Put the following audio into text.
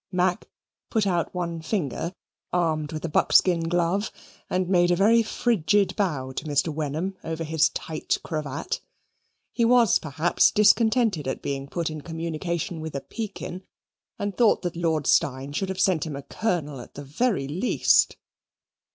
Mac put out one finger, armed with a buckskin glove, and made a very frigid bow to Mr. Wenham over his tight cravat. He was, perhaps, discontented at being put in communication with a pekin, and thought that Lord Steyne should have sent him a Colonel at the very least.